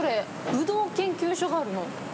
ブドウ研究所があるの？